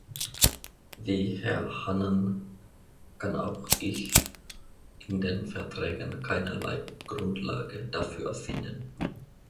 Wie Herr Hannan kann auch ich in den Verträgen keinerlei Grundlage dafür finden.